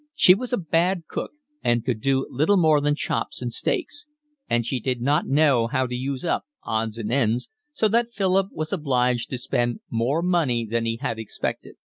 She was a bad cook and could do little more than chops and steaks; and she did not know how to use up odds and ends, so that Philip was obliged to spend more money than he had expected.